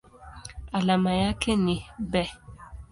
Alama yake ni Be.